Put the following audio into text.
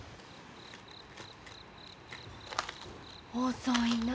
遅いなあ。